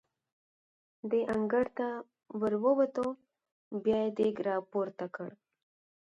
د انګړ ته ور ووتو، بیا یې دېګ را پورته کړ.